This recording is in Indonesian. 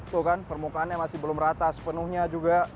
tuh kan permukaannya masih belum ratas penuhnya juga